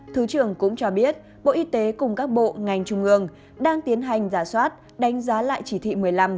thứ trưởng cũng cho biết bộ y tế cùng các bộ ngành trung ương đang tiến hành giả soát đánh giá lại chỉ thị một mươi năm